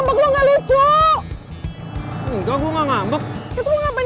umar kalian gak begitu memaniuyu kan